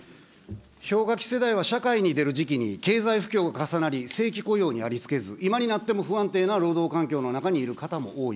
氷河期世代は社会に出る時期に経済不況が重なり、正規雇用にありつけず、今になっても不安定な労働環境の中にいる方も多い。